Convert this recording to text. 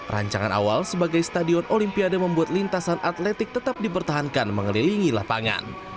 rancangan awal sebagai stadion olimpiade membuat lintasan atletik tetap dipertahankan mengelilingi lapangan